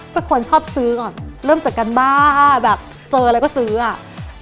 เป็นคนชอบซื้อก่อนเริ่มจากการบ้าแบบเจออะไรก็ซื้ออ่ะ